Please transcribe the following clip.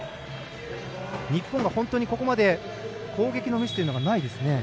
日本が本当にここまで攻撃のミスというのがないですね。